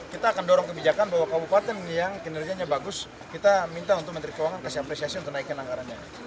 kita akan dorong kebijakan bahwa kabupaten yang kinerjanya bagus kita minta untuk menteri keuangan kasih apresiasi untuk naikin anggarannya